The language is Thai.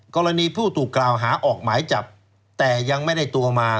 กรณีผู้ถูกกล่าวหาออกหมายจับแต่ยังไม่ได้ตัวมา